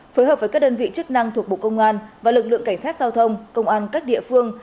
phối hợp với các đơn vị chức năng thuộc bộ công an và lực lượng cảnh sát giao thông công an các địa phương